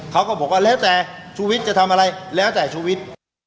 เขาก็บอกว่าแล้วแต่ชุวิตจะทำอะไรแล้วแต่ชุวิต